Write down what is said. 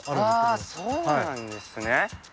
ああそうなんですね。